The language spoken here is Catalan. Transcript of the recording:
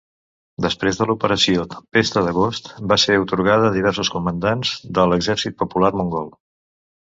Després de l'Operació Tempesta d'Agost va ser atorgada a diversos comandants de l'Exèrcit Popular Mongol.